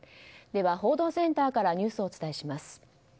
では、報道センターからニュースをお伝えします。